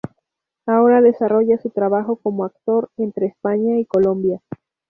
Ahora desarrolla su trabajo como actor entre España y Colombia.